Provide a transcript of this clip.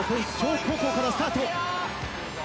北高校からスタート。